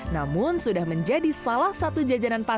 namun sudah menjadi salah satu jajanan pasar